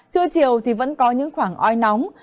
trưa chiều thì vẫn có những khoảng oi nóng